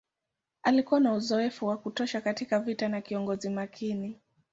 Alikuwa na uzoefu wa kutosha katika vita na kiongozi makini.